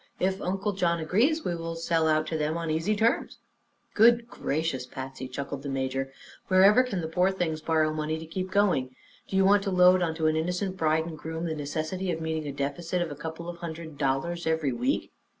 If Uncle John agrees, we will sell out to them on 'easy terms.'" "Good gracious, Patsy!" chuckled the major, "wherever can the poor things borrow money to keep going? Do you want to load onto an innocent bride an' groom the necessity of meeting a deficit of a couple of hundred dollars every week?"